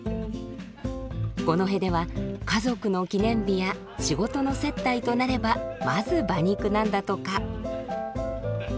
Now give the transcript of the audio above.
五戸では家族の記念日や仕事の接待となればまず馬肉なんだとか。